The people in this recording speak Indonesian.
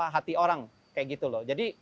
hati orang kayak gitu loh jadi